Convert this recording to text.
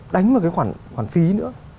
đánh một cái khoản phí nữa